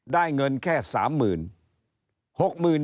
ได้เงินแค่๓๐๐๐บาท